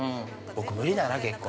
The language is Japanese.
◆僕、無理だな、結婚。